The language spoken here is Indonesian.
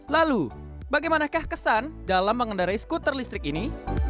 lalu bagaimanakah kesan dalam mengendarai skuter listrik ini